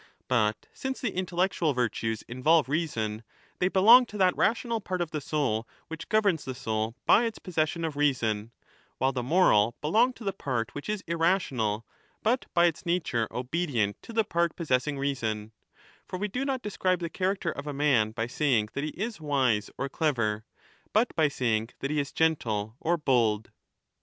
But since the intellectual virtues involve reason, they belong to that rational part of the soul which governs the soul by its possession of reason, while the moral belong to the part 10 which isjrrational but by its nature obedient to the part possessing reason ; for we do not describe the character of a man by saying that he is wise or clever, but by saying that he is gentle or bold.